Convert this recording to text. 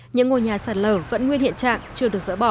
những ngôi nhà sạt lở vẫn nguyên hiện trạng chưa được dỡ bỏ